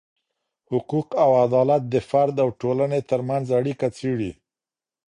حقوق او عدالت د فرد او ټولني ترمنځ اړیکه څیړې.